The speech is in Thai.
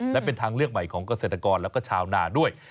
และเป็นทางเลือกใหม่ของเกษตรกรแล้วก็ชาวนาด้วย